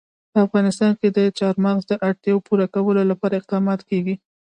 په افغانستان کې د چار مغز د اړتیاوو پوره کولو لپاره اقدامات کېږي.